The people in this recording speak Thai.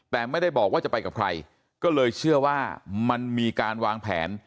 แต่ไม่ได้บอกว่าจะไปกับใครก็เลยเชื่อว่ามันมีการวางแผน